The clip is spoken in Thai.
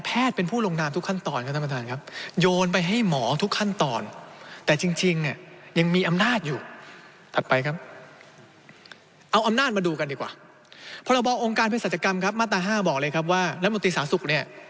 พอรบอองค์การเพศัตริย์กรรมครับมาตรา๕บอกเลยครับว่ารัฐมนตรีสาศุกร์เนี่ย